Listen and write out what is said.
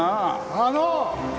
あの！